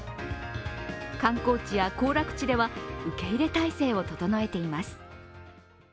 観光地や行楽地では受け入れ態勢を整えています。